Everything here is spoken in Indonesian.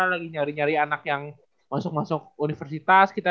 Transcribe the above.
lagi nyari nyari anak yang masuk masuk universitas